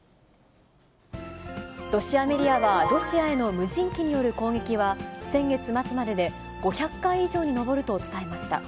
ロシアメディアは、ロシアへの無人機による攻撃は、先月末までで５００回以上に上ると伝えました。